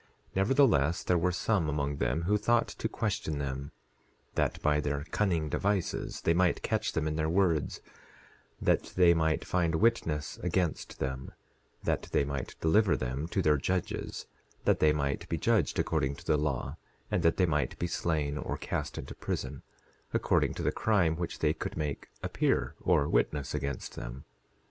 10:13 Nevertheless, there were some among them who thought to question them, that by their cunning devices they might catch them in their words, that they might find witness against them, that they might deliver them to their judges that they might be judged according to the law, and that they might be slain or cast into prison, according to the crime which they could make appear or witness against them.